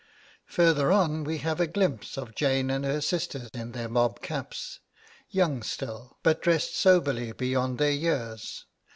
Further on we have a glimpse of Jane and her sister in their mobcaps, young still, but dressed soberly beyond their years.